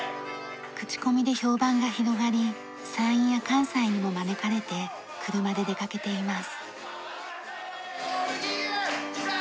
口コミで評判が広がり山陰や関西にも招かれて車で出かけています。